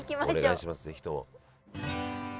お願いします是非とも。